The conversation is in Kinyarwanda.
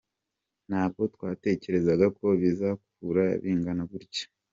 Ntabwo twatekerezaga ko bizakura bingana gutya.